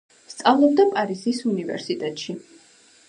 სწავლობდა პარიზის უნივერსიტეტში.